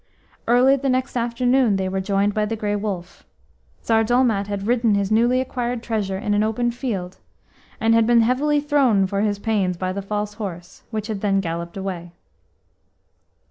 Early the next afternoon they were joined by the Grey Wolf; Tsar Dolmat had ridden his newly acquired treasure in an open field, and had been heavily thrown for his pains by the false horse, which had then galloped away.